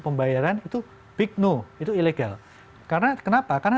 pembayaran itu big no itu ilegal kenapa karena